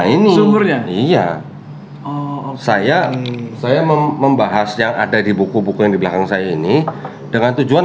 ini sumbernya iya saya saya membahas yang ada di buku buku yang di belakang saya ini dengan tujuan